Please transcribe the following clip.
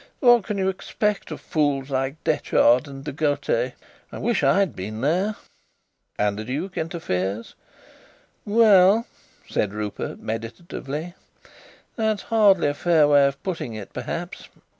"What can you expect of fools like Detchard and De Gautet? I wish I'd been there." "And the duke interferes?" "Well," said Rupert meditatively, "that's hardly a fair way of putting it, perhaps.